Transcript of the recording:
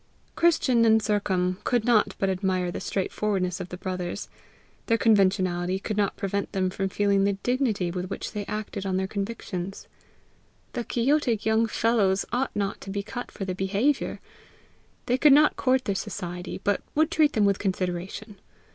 Christian and Sercombe could not but admire the straightforwardness of the brothers; their conventionality could not prevent them from feeling the dignity with which they acted on their convictions. The quixotic young fellows ought not to be cut for their behaviour! They could not court their society, but would treat them with consideration!